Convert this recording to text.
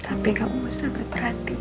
tapi kamu harus ambil perhatian